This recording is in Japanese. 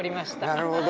なるほど。